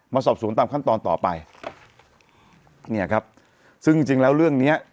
สอบสวนตามขั้นตอนต่อไปเนี่ยครับซึ่งจริงจริงแล้วเรื่องเนี้ย